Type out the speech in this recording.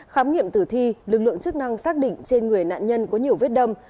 khám nghiệm tử thi lực lượng chức năng xác định trên người nạn nhân có nhiều vết đâm